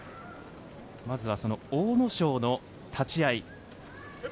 まずは阿武咲の立ち合い。